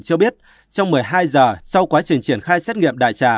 cho biết trong một mươi hai giờ sau quá trình triển khai xét nghiệm đại trà